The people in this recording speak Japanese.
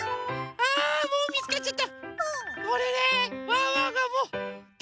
あみつかっちゃった。